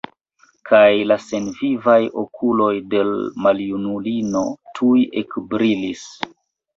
Kaj la senvivaj okuloj de l' maljunulino tuj ekbrilis.